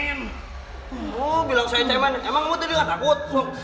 kamu bilang saya cemen emang kamu tadi gak takut